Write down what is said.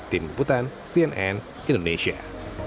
tim imputan cnn indonesia